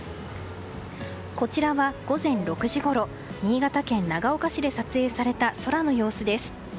こちらは午前６時ごろ新潟県長岡市で撮影された空の様子です。